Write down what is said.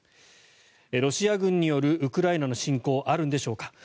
ロシア軍によるウクライナへの侵攻あるんでしょうか。